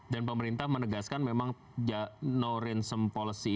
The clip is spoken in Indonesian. dan pemerintah menegaskan memang no ransom policy